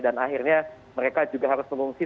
dan akhirnya mereka juga harus mengungsi